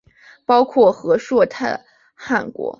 包括和硕特汗国。